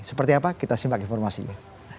seperti apa kita simak informasinya